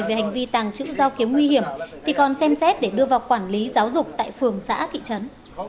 về hành vi tàng trữ dao kiếm nguy hiểm thì còn xem xét để đưa vào quản lý giáo dục tại phường xã thị trấn